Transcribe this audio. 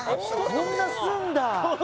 こんなすんだ